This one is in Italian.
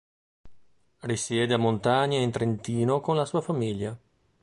Risiede a Montagne in Trentino con la sua famiglia.